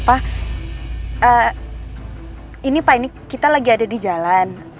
pak ini pak ini kita lagi ada di jalan